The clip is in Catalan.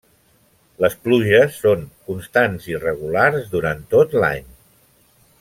Les pluges són constants i regulars durant tot l'any.